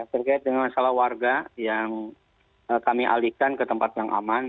terkait dengan masalah warga yang kami alihkan ke tempat yang aman